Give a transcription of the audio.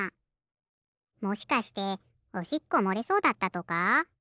もしかしておしっこもれそうだったとか？